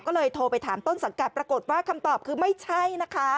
ก็เลยโทรไปถามต้นสังกัดปรากฏว่าคำตอบคือไม่ใช่นะคะ